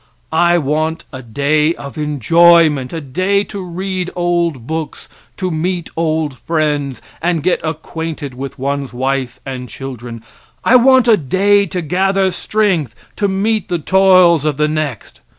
I want a day of enjoyment, a day to read old books, to meet old friends, and get acquainted with one's wife and children. I want a day to gather strength to meet the toils of the next.